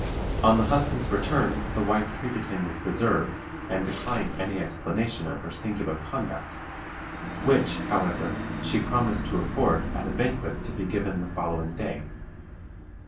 On the husband's return the wife treated him with reserve, and declined any explanation of her singular conduct, which, however, she promised to afford at a banquet to be given the following day.